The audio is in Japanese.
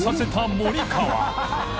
森川）